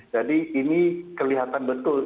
jadi ini kelihatan betul